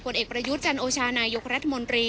เอกประยุทธ์จันโอชานายกรัฐมนตรี